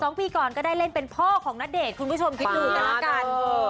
สองปีก่อนก็ได้เล่นเป็นพ่อของณเดชน์คุณผู้ชมคิดดูกันแล้วกัน